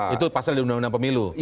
itu pasal di undang undang pemilu